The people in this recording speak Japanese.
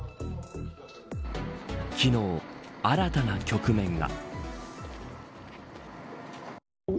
昨日、新たな局面が。